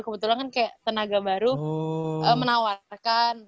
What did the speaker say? kebetulan kan kayak tenaga baru menawarkan